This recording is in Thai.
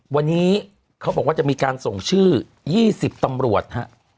วันนี้เขาบอกว่าจะมีการส่งชื่อ๒๐ตำรวจฮะ